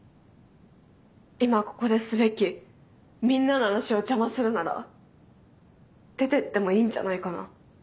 今ここですべきみんなの話を邪魔するなら出てってもいいんじゃないかな。